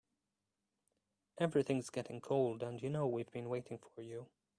Everything's getting cold and you know we've been waiting for you.